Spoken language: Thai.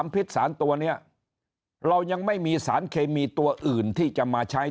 พิษสารตัวนี้เรายังไม่มีสารเคมีตัวอื่นที่จะมาใช้